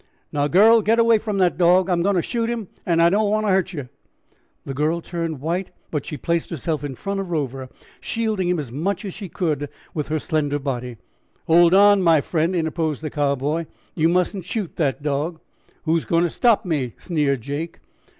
"Now, girl, get away from that dog; I'm goin' to shoot him and I don't want to hurt yer." The girl turned white, but she placed herself in front of Rover, shielding him as much as she could with her slender body. "Hold on, my friend," interposed the Cowboy; "you mus'n't shoot that dog." "Who's goin' to stop me?" sneered Jake.